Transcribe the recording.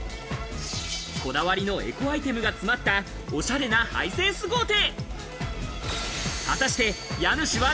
こだわりのエコアイテムが詰まった、おしゃれなハイセンス豪邸。